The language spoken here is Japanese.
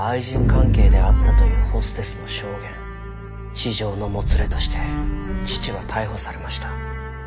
痴情のもつれとして父は逮捕されました。